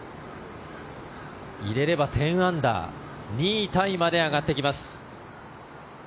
入れれば１０アンダー２位タイまで上がってきます。